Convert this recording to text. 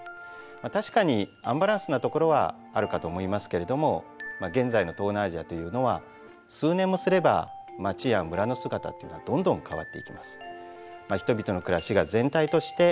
確かにアンバランスなところはあるかと思いますけれども現在の東南アジアというのは数年もすれば町や村の姿っていうのはどんどん変わっていきます。